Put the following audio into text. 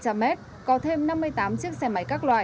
một trăm năm mươi tám chiếc xe máy các loại